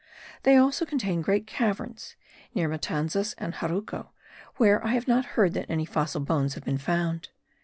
They also contain great caverns, near Matanzas and Jaruco, where I have not heard that any fossil bones have been found.